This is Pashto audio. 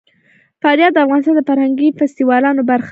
فاریاب د افغانستان د فرهنګي فستیوالونو برخه ده.